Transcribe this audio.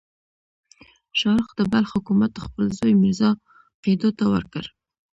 شاهرخ د بلخ حکومت خپل زوی میرزا قیدو ته ورکړ.